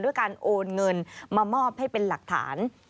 การโอนเงินมามอบให้เป็นหลักฐาน